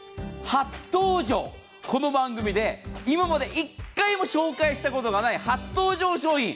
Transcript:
初登場、この番組で今まで一回も紹介したことのない初登場商品。